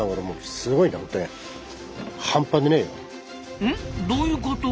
うん？どういうこと？